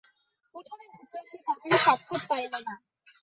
উঠানে ঢুকিয়া সে কাহারও সাক্ষাৎ পাইল না।